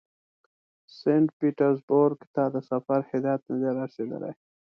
سینټ پیټرزبورګ ته د سفر هدایت نه دی را رسېدلی.